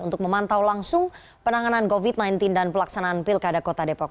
untuk memantau langsung penanganan covid sembilan belas dan pelaksanaan pilkada kota depok